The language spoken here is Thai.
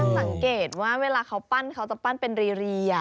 สังเกตว่าเวลาเขาปั้นเขาจะปั้นเป็นรี